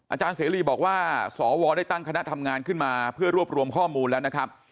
อาจารย์เสรีบอกว่าสวได้ตั้งคณะทำงานขึ้นมาเพื่อรวบรวมข้อมูลแล้วนะครับ